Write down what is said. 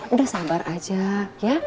udah sabar aja ya